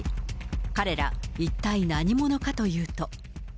彼ら、一体何者かというと。